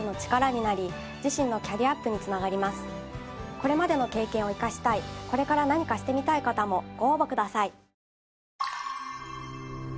これまでの経験を生かしたいこれから何かしてみたい方もご応募ください。